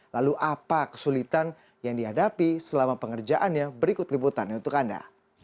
lalu apa kesulitan yang dihadapi selama pengerjaannya berikut liputannya untuk anda